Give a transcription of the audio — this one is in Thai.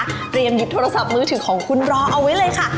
เตรียมยึดโทรศัพท์มือถือของคุณรอเอาไว้เลยค่ะ